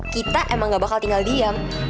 kita emang gak bakal tinggal diam